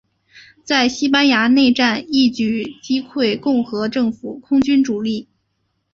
在西班牙内战一举击溃共和政府空军主力。